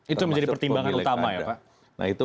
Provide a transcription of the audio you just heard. itu menjadi pertimbangan utama ya pak nah itu